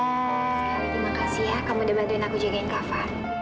terima kasih ya kamu udah bantuin aku jagain kava